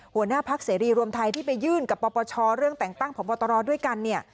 หัวหน้าพักเสรีรวมไทยที่ไปยื่นกับปปชเรื่องแต่งตั้งพบตรด้วยกันเนี่ย